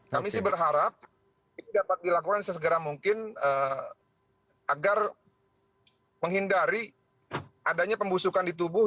kami sih berharap ini dapat dilakukan sesegera mungkin agar menghindari adanya pembusukan di tubuh